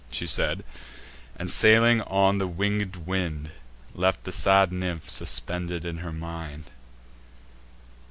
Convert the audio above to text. She said, and, sailing on the winged wind, Left the sad nymph suspended in her mind.